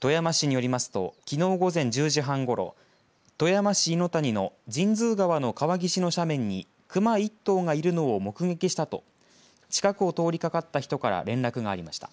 富山市によりますときのう午前１０時半ごろ富山市猪谷の神通川の川岸の斜面に熊１頭がいるのを目撃したと近くを通りかかった人から連絡がありました。